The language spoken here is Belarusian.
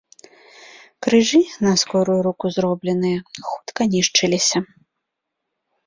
Крыжы, на скорую руку зробленыя, хутка нішчыліся.